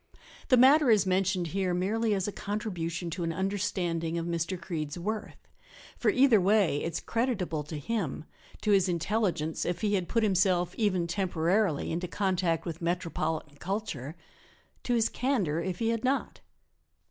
The matter is mentioned here merely as a contribution to an understanding of Mr. Creede's worth, for either way it is creditable to him to his intelligence if he had put himself, even temporarily, into contact with metropolitan culture; to his candor if he had not.